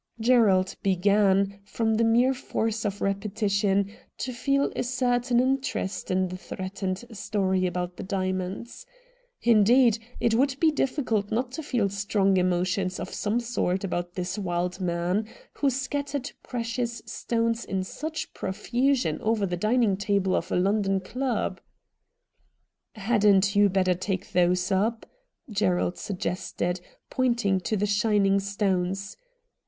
Gerald began, from the mere force of repetition, to feel a certain interest in the threatened story about the diamonds. Indeed, it would be difficult not to feel strong emotions of some sort about this wild man, who scattered precious stones in such profusion over the dining table of a London club. ' Hadn't you better take those up ?' Gerald suggested, pointing to the shining stones.